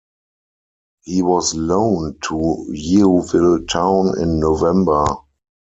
He was loaned to Yeovil Town in November.